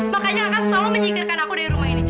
makanya akan selalu menyingkirkan aku dari rumah ini